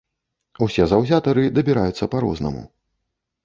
Усе заўзятары дабіраюцца па рознаму.